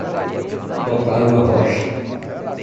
Tocar uma rocha